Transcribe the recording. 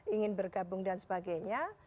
ingin bergabung dan sebagainya